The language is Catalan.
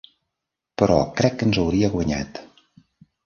Però crec que ens hauria guanyat.